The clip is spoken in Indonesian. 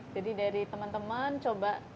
jadi dari teman teman coba